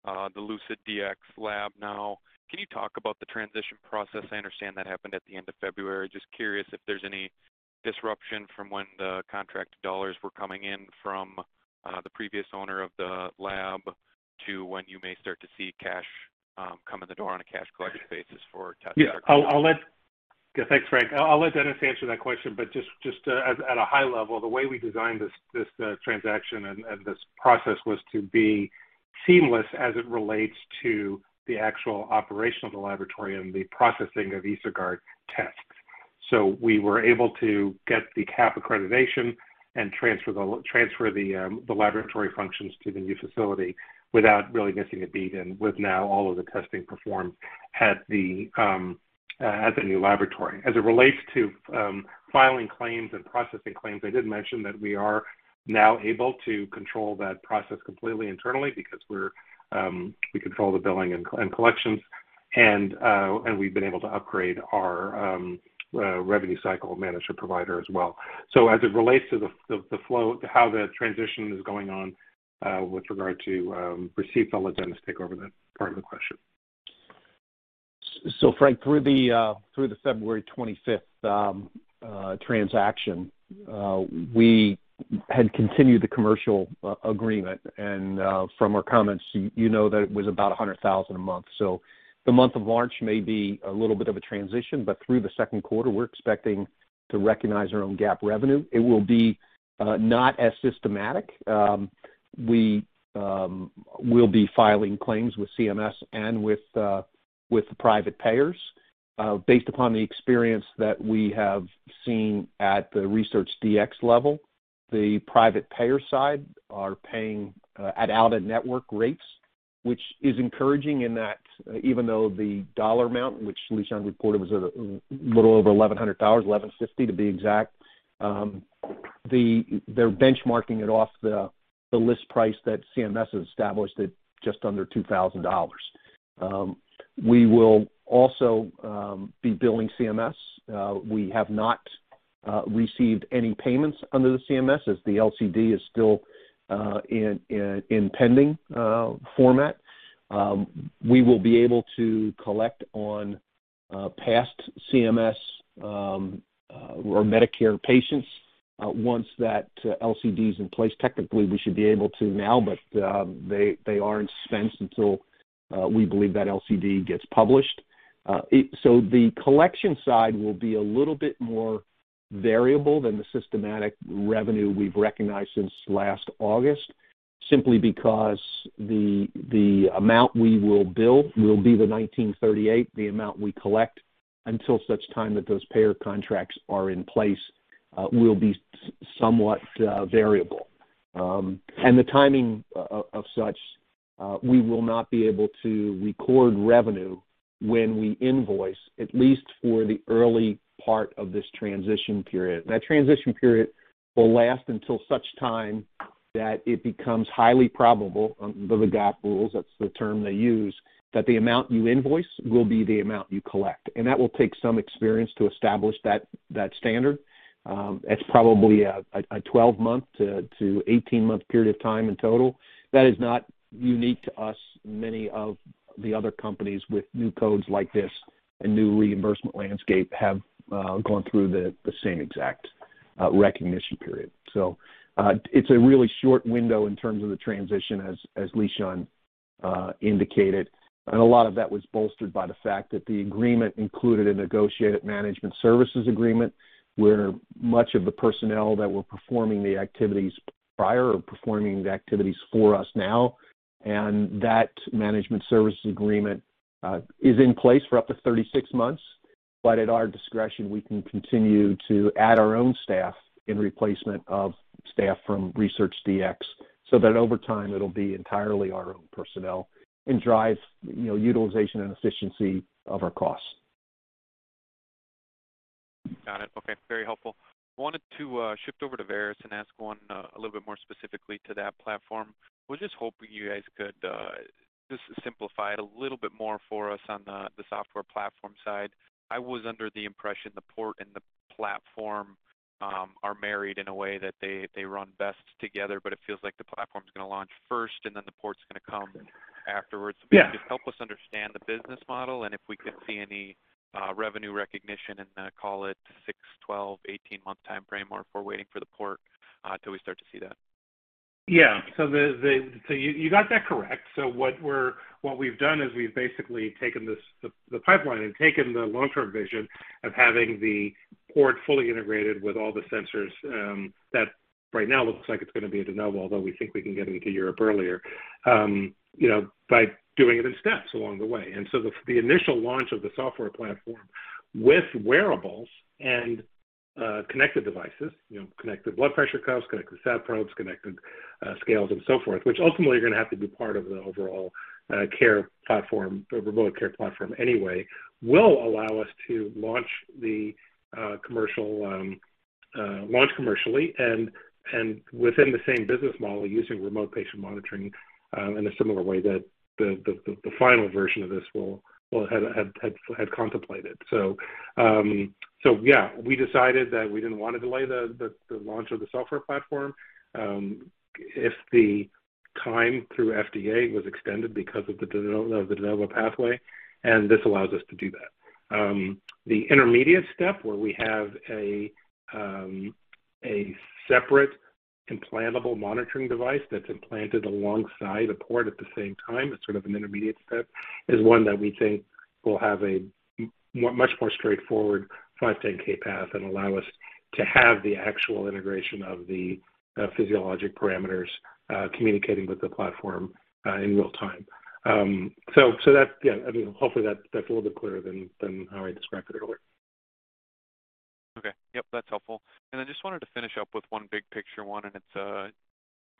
the LucidDx Labs now. Can you talk about the transition process? I understand that happened at the end of February. Just curious if there's any disruption from when the contract dollars were coming in from the previous owner of the lab to when you may start to see cash come in the door on a cash collection basis for testing. Yeah. Thanks, Frank. I'll let Dennis answer that question, but just at a high level, the way we designed this transaction and this process was to be seamless as it relates to the actual operation of the laboratory and the processing of EsoGuard tests. We were able to get the CAP accreditation and transfer the laboratory functions to the new facility without really missing a beat, and with now all of the testing performed at the new laboratory. As it relates to filing claims and processing claims, I did mention that we are now able to control that process completely internally because we're, we control the billing and collections and we've been able to upgrade our revenue cycle management provider as well. As it relates to the flow, how the transition is going on, with regard to receipts, I'll let Dennis take over that part of the question. Frank, through the February 25 transaction, we had continued the commercial agreement and, from our comments, you know that it was about $100,000 a month. The month of March may be a little bit of a transition, but through the second quarter, we're expecting to recognize our own GAAP revenue. It will be not as systematic. We will be filing claims with CMS and with the private payers. Based upon the experience that we have seen at the ResearchDx level, the private payer side are paying at out-of-network rates, which is encouraging in that even though the dollar amount, which Lishan reported was a little over $1,100, $1,150 to be exact, the-- They're benchmarking it off the list price that CMS has established at just under $2,000. We will also be billing CMS. We have not received any payments under the CMS as the LCD is still in pending format. We will be able to collect on past CMS or Medicare patients once that LCD is in place. Technically, we should be able to now, but they are in suspense until we believe that LCD gets published. The collection side will be a little bit more variable than the systematic revenue we've recognized since last August, simply because the amount we will bill will be the $1,938. The amount we collect until such time that those payer contracts are in place will be somewhat variable. The timing of such, we will not be able to record revenue when we invoice, at least for the early part of this transition period. That transition period will last until such time that it becomes highly probable, under the GAAP rules, that's the term they use, that the amount you invoice will be the amount you collect. That will take some experience to establish that standard. That's probably a 12-month to 18-month period of time in total. That is not unique to us. Many of the other companies with new codes like this and new reimbursement landscape have gone through the same exact recognition period. It's a really short window in terms of the transition as Lishan indicated. A lot of that was bolstered by the fact that the agreement included a negotiated management services agreement where much of the personnel that were performing the activities prior are performing the activities for us now. That management services agreement is in place for up to 36 months. At our discretion, we can continue to add our own staff in replacement of staff from ResearchDx, so that over time it'll be entirely our own personnel and drive, you know, utilization and efficiency of our costs. Got it. Okay. Very helpful. I wanted to shift over to Veris and ask one a little bit more specifically to that platform. Was just hoping you guys could just simplify it a little bit more for us on the software platform side. I was under the impression the port and the platform are married in a way that they run best together, but it feels like the platform's gonna launch first and then the port's gonna come afterwards. Yeah. If you could just help us understand the business model and if we could see any revenue recognition in the call it six, 12, 18-month timeframe, or if we're waiting for the PortIO till we start to see that. Yeah. You got that correct. What we've done is we've basically taken this pipeline and taken the long-term vision of having the port fully integrated with all the sensors that right now looks like it's gonna be in De Novo, although we think we can get into Europe earlier, you know, by doing it in steps along the way. The initial launch of the software platform with wearables and connected devices, you know, connected blood pressure cuffs, connected sat probes, connected scales and so forth, which ultimately are gonna have to be part of the overall care platform, the remote care platform anyway, will allow us to launch the commercial launch commercially and within the same business model using remote patient monitoring in a similar way that the final version of this will have contemplated. We decided that we didn't want to delay the launch of the software platform if the time through FDA was extended because of the de novo pathway, and this allows us to do that. The intermediate step where we have a separate implantable monitoring device that's implanted alongside a port at the same time as sort of an intermediate step is one that we think will have a much more straightforward 510(k) path and allow us to have the actual integration of the physiologic parameters communicating with the platform in real-time. Yeah, I mean, hopefully that's a little bit clearer than how I described it earlier. Okay. Yeah, that's helpful. I just wanted to finish up with one big picture one, and it's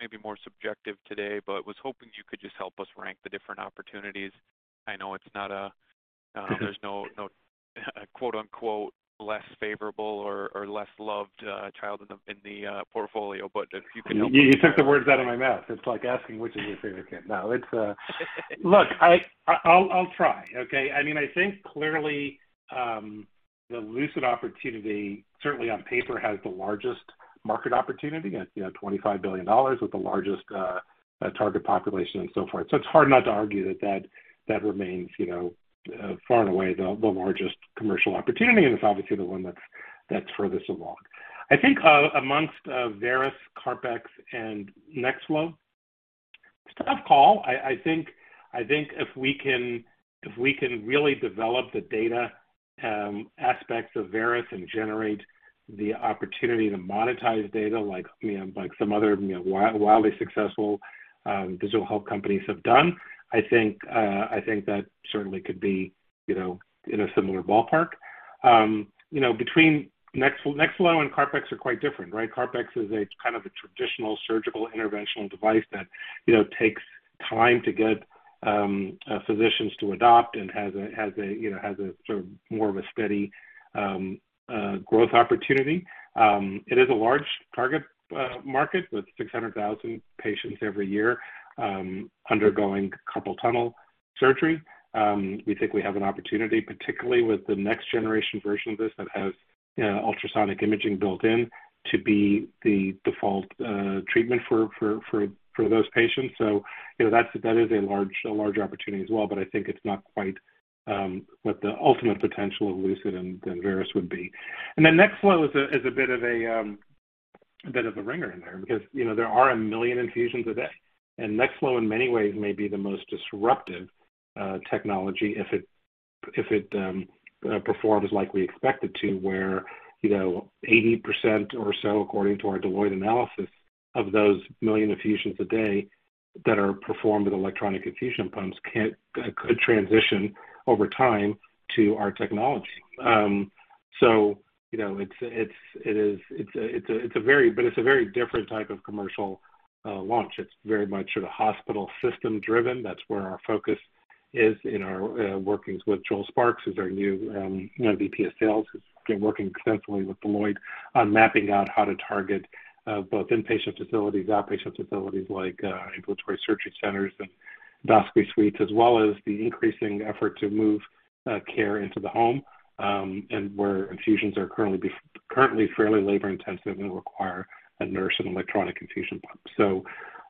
maybe more subjective today, but was hoping you could just help us rank the different opportunities. I know it's not. There's no quote-unquote "less favorable" or less loved child in the portfolio, but if you can help-- You took the words out of my mouth. It's like asking which is your favorite kid. No. Look, I'll try, okay. I mean, I think clearly, the Lucid opportunity, certainly on paper, has the largest market opportunity. It's, you know, $25 billion with the largest target population and so forth. So it's hard not to argue that that remains, you know, far and away the largest commercial opportunity, and it's obviously the one that's furthest along. I think, amongst Veris, CarpX, and NextFlo, it's a tough call. I think if we can really develop the data aspects of Veris and generate the opportunity to monetize data like you know like some other you know wildly successful digital health companies have done, I think that certainly could be you know in a similar ballpark. You know between NextFlo and CarpX are quite different, right? CarpX is a kind of a traditional surgical interventional device that you know takes time to get physicians to adopt and has a you know has a sort of more of a steady growth opportunity. It is a large target market with 600,000 patients every year undergoing carpal tunnel surgery. We think we have an opportunity, particularly with the next generation version of this that has ultrasonic imaging built in to be the default treatment for those patients. You know, that is a large opportunity as well, but I think it's not quite what the ultimate potential of Lucid and Veris would be. NexFlo is a bit of a ringer in there because, you know, there are 1 million infusions a day. NexFlo, in many ways, may be the most disruptive technology if it performs like we expect it to, where, you know, 80% or so, according to our Deloitte analysis, of those one million infusions a day that are performed with electronic infusion pumps could transition over time to our technology. You know, it's a very different type of commercial launch. It's very much sort of hospital system-driven. That's where our focus is in our workings with Joel Sparks, who's our new VP of Sales, who's been working extensively with Deloitte on mapping out how to target both inpatient facilities, outpatient facilities like ambulatory surgery centers and endoscopy suites, as well as the increasing effort to move care into the home, and where infusions are currently fairly labor-intensive and require a nurse and electronic infusion pump.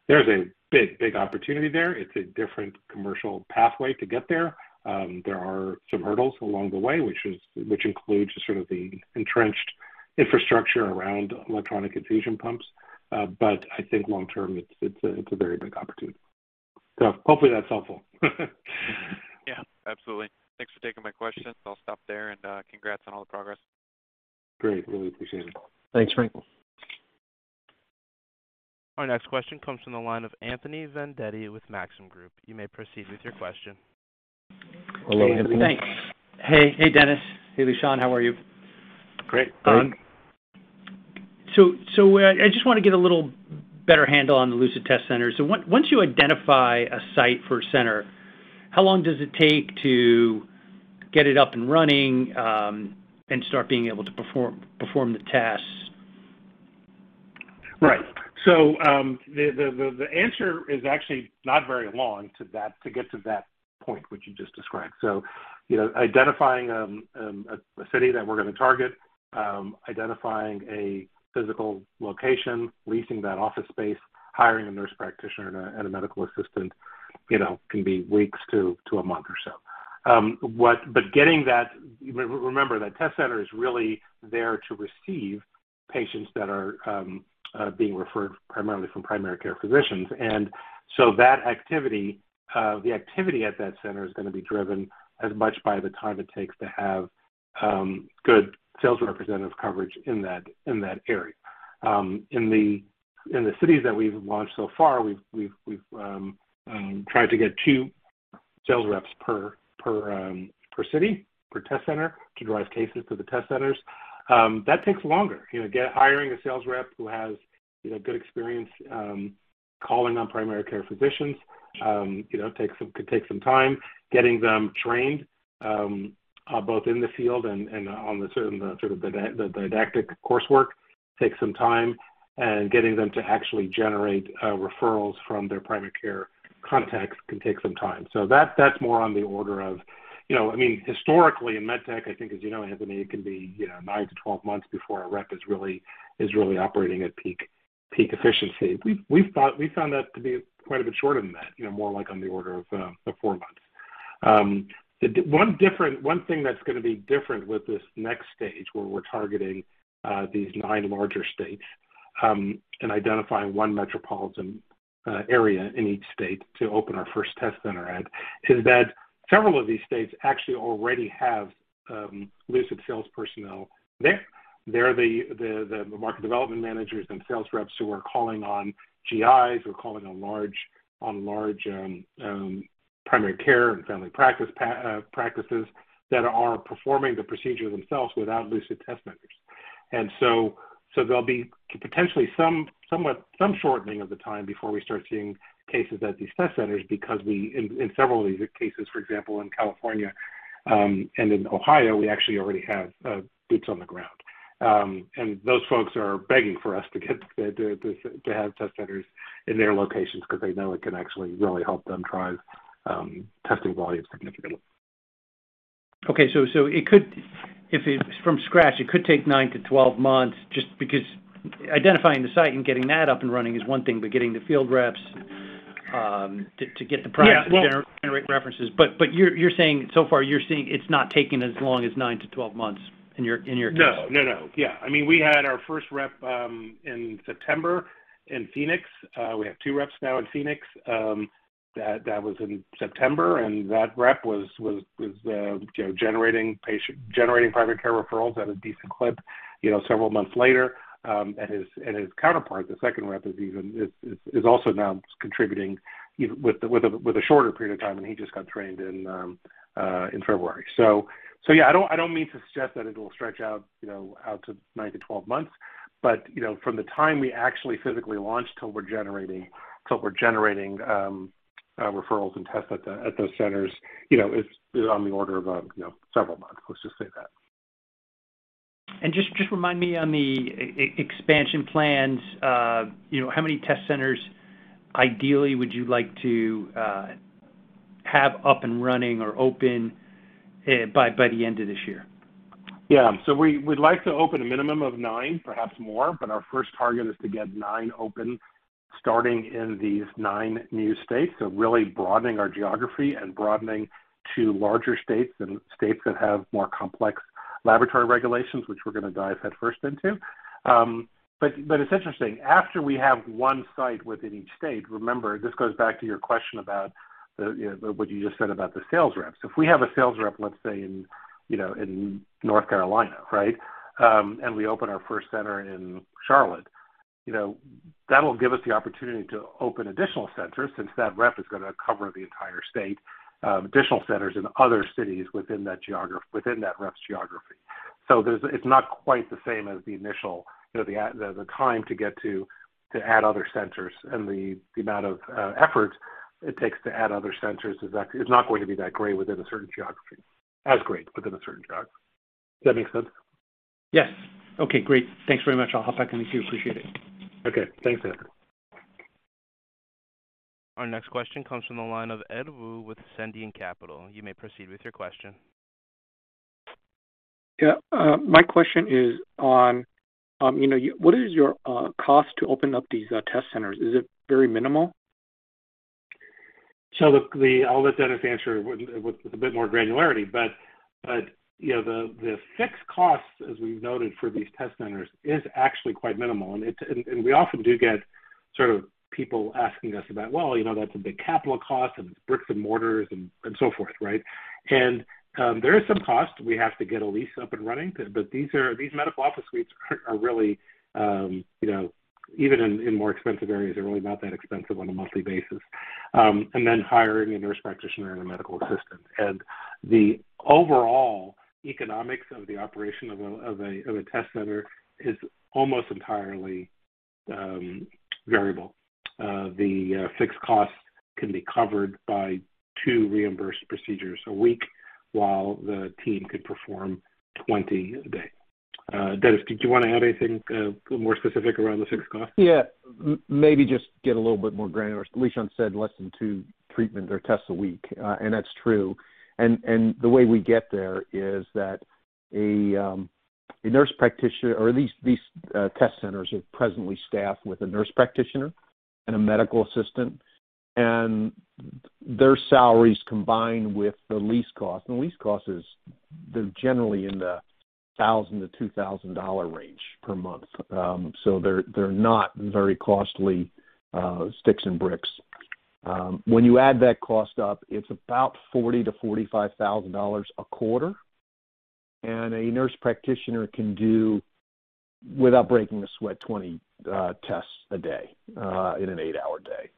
There's a big opportunity there. It's a different commercial pathway to get there. There are some hurdles along the way, which includes sort of the entrenched infrastructure around electronic infusion pumps. I think long-term, it's a very big opportunity. Hopefully that's helpful. Yeah, absolutely. Thanks for taking my questions. I'll stop there, and congrats on all the progress. Great. Really appreciate it. Thanks, Frank. Our next question comes from the line of Anthony Vendetti with Maxim Group. You may proceed with your question. Hello, Anthony. Hey. Thanks. Hey, Dennis. Hey, Lishan. How are you? Great. Fine. I just want to get a little better handle on the Lucid test center. Once you identify a site for a center, how long does it take to get it up and running, and start being able to perform the tests? Right. The answer is actually not very long to get to that point which you just described. You know, identifying a city that we're gonna target, identifying a physical location, leasing that office space, hiring a nurse practitioner and a medical assistant, you know, can be weeks to a month or so. Getting that, remember, that test center is really there to receive patients that are being referred primarily from primary care physicians. That activity, the activity at that center is gonna be driven as much by the time it takes to have good sales representative coverage in that area. In the cities that we've launched so far, we've tried to get two sales reps per city, per test center to drive cases to the test centers. That takes longer. You know, hiring a sales rep who has good experience calling on primary care physicians takes some, could take some time. Getting them trained both in the field and on the sort of the didactic coursework takes some time and getting them to actually generate referrals from their primary care contacts can take some time. That, that's more on the order of-- You know, I mean, historically in MedTech, I think as you know, Anthony, it can be, you know, nine-12 months before a rep is really operating at peak efficiency. We found that to be quite a bit shorter than that, you know, more like on the order of four months. One thing that's gonna be different with this next stage where we're targeting these nine larger states, and identifying one metropolitan area in each state to open our first test center at, is that several of these states actually already have Lucid sales personnel there. They're the market development managers and sales reps who are calling on GIs, who are calling on large primary care and family practice practices that are performing the procedure themselves without Lucid test members. There'll be potentially some shortening of the time before we start seeing cases at these test centers because in several of these cases, for example, in California and in Ohio, we actually already have boots on the ground. Those folks are begging for us to get to have test centers in their locations 'cause they know it can actually really help them drive testing volumes significantly. From scratch, it could take nine-12 months just because identifying the site and getting that up and running is one thing, but getting the field reps to get the practice. Yeah. Well. To generate references. You're saying so far you're seeing it's not taking as long as nine-12 months in your case? No. No, no. Yeah. I mean, we had our first rep in September in Phoenix. We have two reps now in Phoenix, that was in September, and that rep was, you know, generating primary care referrals at a decent clip, you know, several months later. His counterpart, the second rep, is also now contributing even with a shorter period of time, and he just got trained in February. Yeah, I don't mean to suggest that it'll stretch out, you know, out to nine-12 months, but, you know, from the time we actually physically launch till we're generating referrals and tests at those centers, you know, is on the order of several months, let's just say that. Just remind me on the expansion plans, you know, how many test centers ideally would you like to have up and running or open by the end of this year? Yeah. We'd like to open a minimum of nine, perhaps more, but our first target is to get nine open starting in these nine new states. Really broadening our geography and broadening to larger states and states that have more complex laboratory regulations, which we're gonna dive headfirst into. But it's interesting. After we have one site within each state, remember, this goes back to your question about the, you know, what you just said about the sales reps. If we have a sales rep, let's say in, you know, in North Carolina, right? And we open our first center in Charlotte, you know, that'll give us the opportunity to open additional centers since that rep is gonna cover the entire state, additional centers in other cities within that rep's geography. It's not quite the same as the initial, you know, the time to add other centers, and the amount of effort it takes to add other centers. It's not going to be that great within a certain geography. Does that make sense? Yes. Okay, great. Thanks very much. I'll hop back in the queue. Appreciate it. Okay. Thanks, Anthony. Our next question comes from the line of Edward Woo with Ascendiant Capital. You may proceed with your question. Yeah. My question is on, you know, what is your cost to open up these test centers? Is it very minimal? I'll let Dennis answer with a bit more granularity. You know, the fixed cost, as we've noted for these test centers, is actually quite minimal. We often do get sort of people asking us about, "Well, you know, that's a big capital cost, and it's bricks and mortar and so forth, right?" There is some cost. We have to get a lease up and running, but these medical office suites are really, you know, even in more expensive areas, they're really not that expensive on a monthly basis, and then hiring a nurse practitioner and a medical assistant. The overall economics of the operation of a test center is almost entirely variable. The fixed costs can be covered by two reimbursed procedures a week while the team could perform 20 a day. Dennis, did you wanna add anything, more specific around the fixed cost? Yeah. Maybe just get a little bit more granular. Lishan said less than two treatments or tests a week, and that's true. The way we get there is that these test centers are presently staffed with a nurse practitioner and a medical assistant, and their salaries combined with the lease cost. The lease cost is, they're generally in the $1,000-$2,000 range per month. So they're not very costly, sticks and bricks. When you add that cost up, it's about $40,000-$45,000 a quarter. A nurse practitioner can do, without breaking a sweat, 20 tests a day, in an 8-hour day.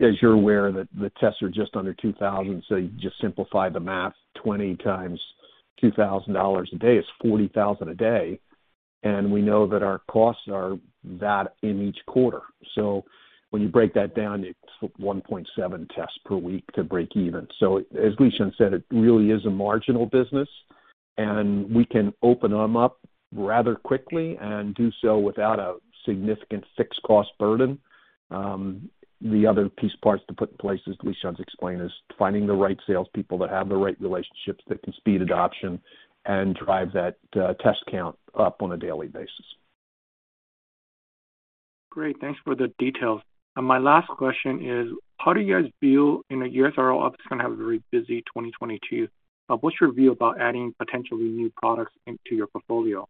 As you're aware, the tests are just under $2,000, so you just simplify the math, 20 times $2,000 a day is $40,000 a day. We know that our costs are that in each quarter. When you break that down, it's 1.7 tests per week to break even. As Lishan said, it really is a marginal business. We can open them up rather quickly and do so without a significant fixed cost burden. The other piece parts to put in place, as Lishan's explained, is finding the right salespeople that have the right relationships that can speed adoption and drive that, test count up on a daily basis. Great. Thanks for the details. My last question is, how do you guys view, I know USRO ops is gonna have a very busy 2022, what's your view about adding potentially new products into your portfolio?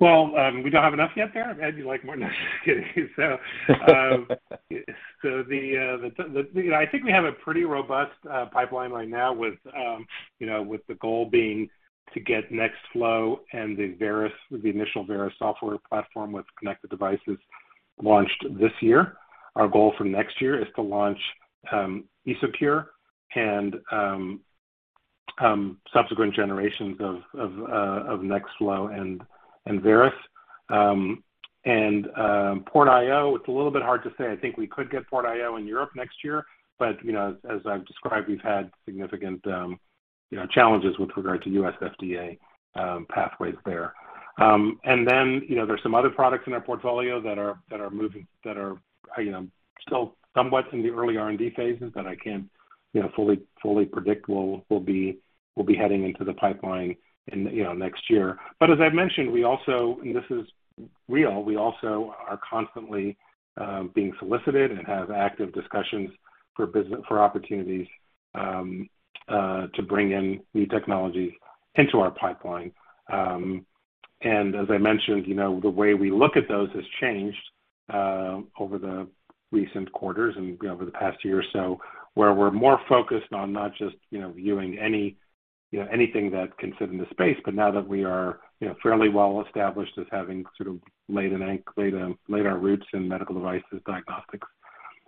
Well, we don't have enough yet there? I'm happy like more than kidding. You know, I think we have a pretty robust pipeline right now with you know, with the goal being to get NextFlo and the Veris, the initial Veris software platform with connected devices launched this year. Our goal for next year is to launch EsoCure and subsequent generations of NextFlo and Veris. PortIO, it's a little bit hard to say. I think we could get PortIO in Europe next year, but you know, as I've described, we've had significant you know, challenges with regard to U.S. FDA pathways there. You know, there's some other products in our portfolio that are moving, you know, still somewhat in the early R&D phases that I can't, you know, fully predict will be heading into the pipeline in, you know, next year. As I've mentioned, we also, and this is real, we also are constantly being solicited and have active discussions for business opportunities to bring in new technologies into our pipeline. As I mentioned, you know, the way we look at those has changed over the recent quarters and over the past year or so, where we're more focused on not just, you know, viewing any, you know, anything that's considered in the space, but now that we are, you know, fairly well established as having sort of laid our roots in medical devices, diagnostics,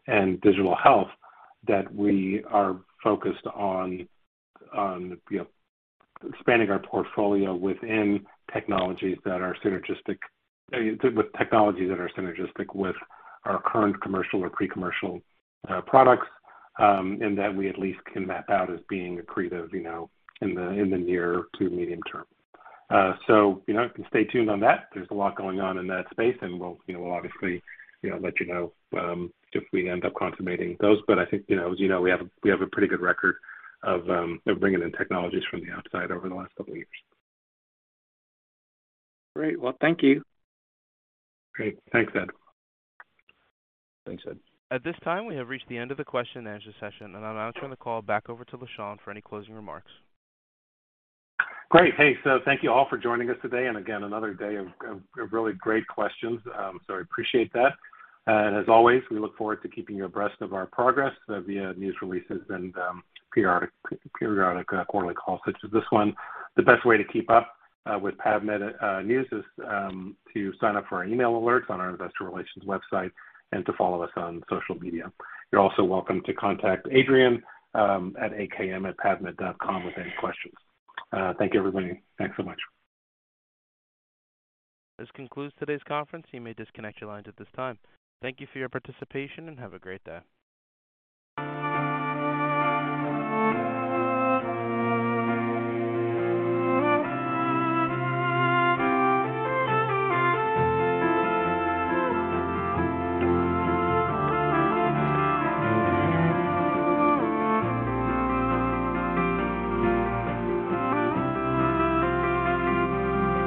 and digital health, that we are focused on, you know, expanding our portfolio within technologies that are synergistic with technologies that are synergistic with our current commercial or pre-commercial products, and that we at least can map out as being accretive, you know, in the near to medium term. You know, stay tuned on that. There's a lot going on in that space, and we'll, you know, we'll obviously, you know, let you know if we end up consummating those. But I think, you know, as you know, we have a pretty good record of bringing in technologies from the outside over the last couple of years. Great. Well, thank you. Great. Thanks, Ed. Thanks, Ed. At this time, we have reached the end of the question and answer session, and I'll now turn the call back over to Lishan Aklog for any closing remarks. Great. Hey, thank you all for joining us today, and again, another day of really great questions. I appreciate that. As always, we look forward to keeping you abreast of our progress via news releases and periodic quarterly call such as this one. The best way to keep up with PAVmed news is to sign up for our email alerts on our Investor Relations website and to follow us on social media. You're also welcome to contact Adrian at akm@pavmed.com with any questions. Thank you, everybody. Thanks so much. This concludes today's conference. You may disconnect your lines at this time. Thank you for your participation, and have a great day.